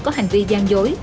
có hành vi gian dối